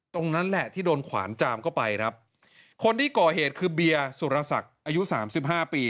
ตรงนั้นแหละที่โดนขวานจามเข้าไปครับคนที่ก่อเหตุคือเบียร์สุรศักดิ์อายุสามสิบห้าปี